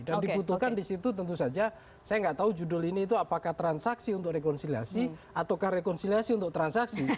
dan dibutuhkan di situ tentu saja saya nggak tahu judul ini itu apakah transaksi untuk rekonsiliasi ataukah rekonsiliasi untuk transaksi